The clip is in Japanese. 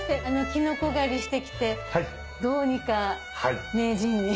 キノコ狩りしてきてどうにか名人に。